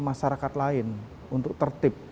masyarakat lain untuk tertib